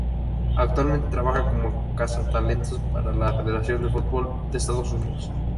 Actualmente trabaja como cazatalentos para la Federación de Fútbol de Estados Unidos.